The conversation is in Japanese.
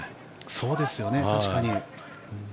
そうですよね、確かに。